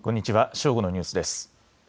正午のニュースです。